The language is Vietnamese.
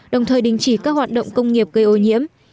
đồng thời đình chỉ các hoạt động công nghiệp gây ô nhiễm